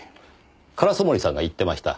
烏森さんが言ってました。